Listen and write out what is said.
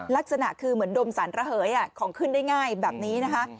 ลักษณะคือเหมือนดมสารระเหยของขึ้นได้ง่ายแบบนี้นะคะ